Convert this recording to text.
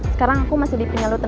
sekarang aku masih di pinjal luton